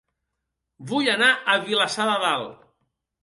Vull anar a Vilassar de Dalt